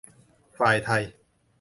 ฝ่ายไทย